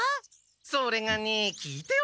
それがね聞いてよ